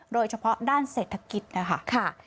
โดยเฉพาะด้านเศรษฐกิจนะคะ